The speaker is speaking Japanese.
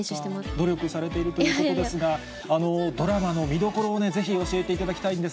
努力されているということですが、ドラマの見どころをぜひ教えていただきたいんです。